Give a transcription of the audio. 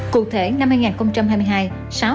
cụ thể năm hai nghìn hai mươi hai